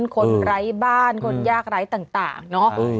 คนร้ายบ้านคนยากร้ายต่างเนอะ